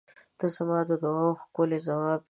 ته زما د دعاوو ښکلی ځواب یې.